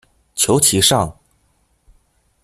求其上